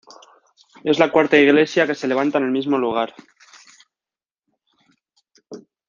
Es la cuarta iglesia que se levanta en el mismo lugar.